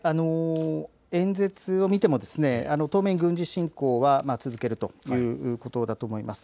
演説を見ても当面、軍事侵攻は続けるということだと思います。